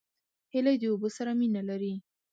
هیلۍ د اوبو سره مینه لري